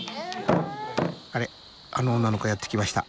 あれあの女の子やって来ました。